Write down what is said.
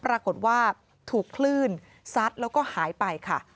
ปรากฏว่าถูกคลื่นซัดแล้วก็หายไปค่ะ